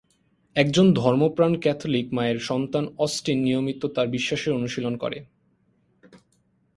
একজন ধর্মপ্রাণ ক্যাথলিক মায়ের সন্তান অস্টিন নিয়মিত তার বিশ্বাসের অনুশীলন করে।